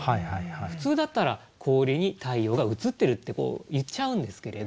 普通だったら「氷に太陽が映ってる」って言っちゃうんですけれど。